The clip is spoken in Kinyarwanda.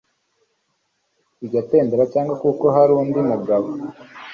igatendera, cyangwa kuko hari undi mugabo